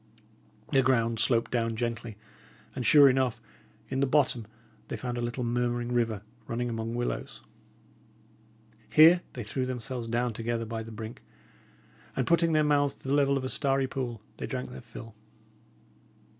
The ground sloped down gently; and, sure enough, in the bottom, they found a little murmuring river, running among willows. Here they threw themselves down together by the brink; and putting their mouths to the level of a starry pool, they drank their fill.